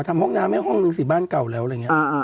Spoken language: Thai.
ทำห้องน้ำให้ห้องนึงสิบ้านเก่าแล้วอะไรอย่างนี้